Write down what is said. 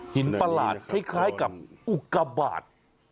ประหลาดคล้ายกับอุกาบาท